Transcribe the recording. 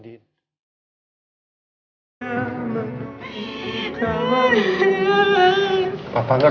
tidak ada yang meminta